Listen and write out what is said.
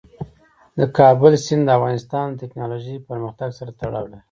د کابل سیند د افغانستان د تکنالوژۍ پرمختګ سره تړاو لري.